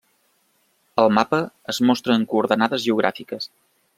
El mapa es mostra en coordenades geogràfiques.